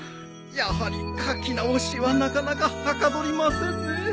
やはり書き直しはなかなかはかどりませんね。